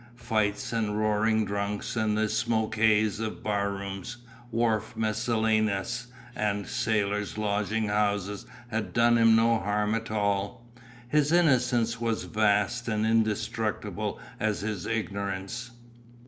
Fights and roaring drunks and the smoke haze of bar rooms, wharf Messalinas and sailors' lodging houses had done him no harm at all. His innocence was vast and indestructible as his ignorance.